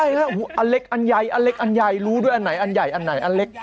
ใช่แล้วอันเล็กอันใหญ่อันเล็กอันใหญ่รู้ด้วยอันไหนอันใหญ่อันไหนอันเล็ก